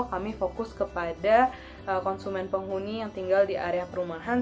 kami fokus kepada konsumen penghuni yang tinggal di area perumahan